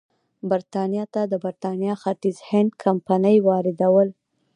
برېټانیا ته د برېټانیا ختیځ هند کمپنۍ واردول.